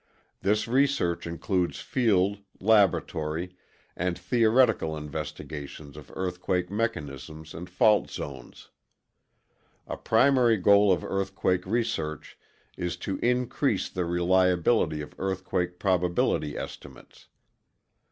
This research includes field, laboratory, and theoretical investigations of earthquake mechanisms and fault zones. A primary goal of earthquake research is to increase the reliability of earthquake probability estimates.